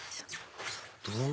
どうぞ。